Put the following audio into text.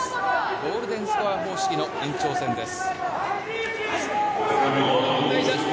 ゴールデンスコア方式の延長戦です。